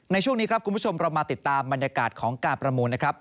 ในช่วงนี้ครับคุณผู้ชมเรามาติดตามบรรยากาศของการประมูลนะครับ